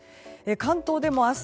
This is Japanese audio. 関東でも明日